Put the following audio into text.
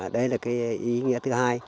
đây là cái ý nghĩa thứ hai